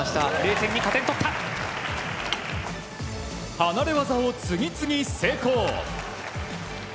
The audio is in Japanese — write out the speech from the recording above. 離れ技を次々成功。